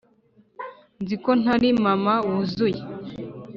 nzi ko ntari mama wuzuye,